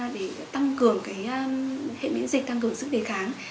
để tăng cường hệ miễn dịch tăng cường sức đề kháng